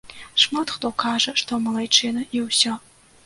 Шмат хто кажа, што малайчына, і ўсё.